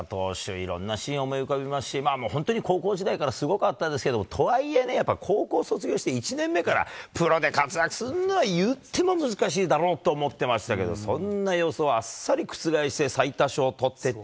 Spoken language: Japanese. いろんなシーンが思い浮かべますし本当に高校時代からすごかったですけど、とはいえ高校卒業して１年目からプロで活躍するのはいっても難しいだろうと思ってましたけどそんな予想をあっさり覆して最多勝をとって。